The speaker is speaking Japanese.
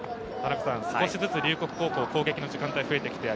少しずつ龍谷高校、攻撃の時間帯が増えてきました。